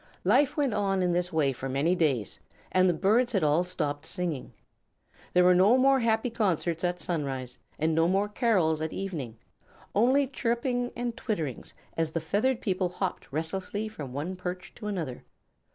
Life went on in this way for many days, and the birds had all stopped singing. There were no more happy concerts at sunrise and no more carols at evening; only chirrupings and twitterings as the feathered people hopped restlessly from one perch to another.